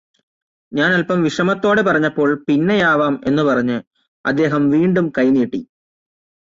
ഞാൻ അല്പം വിഷമത്തോടെ പറഞ്ഞപ്പോൾ പിന്നെയാവാം എന്നുപറഞ്ഞ് അദ്ദേഹം വീണ്ടും കൈനീട്ടി.